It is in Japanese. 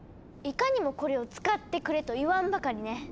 いかにもこれを使ってくれと言わんばかりね。